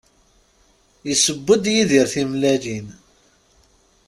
Yesseww-d Yidir timellalin.